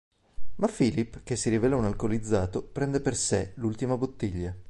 Ma Philip, che si rivela un alcolizzato, prende per sé l'ultima bottiglia.